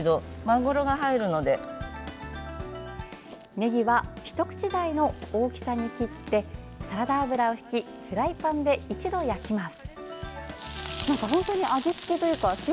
ねぎはひと口大の大きさに切ってサラダ油をひきフライパンで１度焼きます。